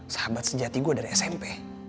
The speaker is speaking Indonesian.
sahabat sejati gue dari smp